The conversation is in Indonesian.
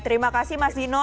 terima kasih mas dino